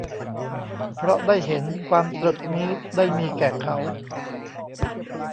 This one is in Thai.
เพราะได้เห็น ความตรึกนี้ ได้มีแก่เขา